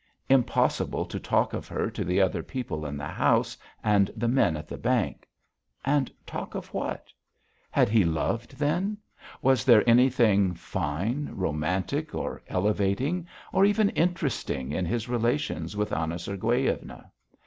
Impossible to talk of her to the other people in the house and the men at the bank. And talk of what? Had he loved then? Was there anything fine, romantic, or elevating or even interesting in his relations with Anna Sergueyevna?